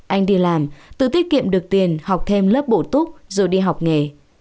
anh đi làm tự tiết kiệm được tiền học thêm lớp bổ túc rồi đi học nghề